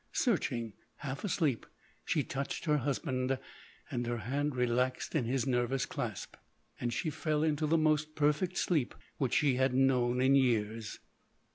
Searching, half asleep, she touched her husband, and her hand relaxed in his nervous clasp. And she fell into the most perfect sleep which she had known in years.